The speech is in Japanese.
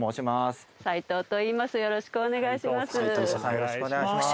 よろしくお願いします。